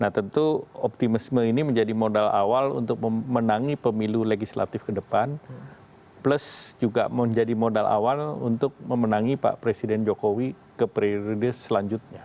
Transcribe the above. nah tentu optimisme ini menjadi modal awal untuk memenangi pemilu legislatif ke depan plus juga menjadi modal awal untuk memenangi pak presiden jokowi ke periode selanjutnya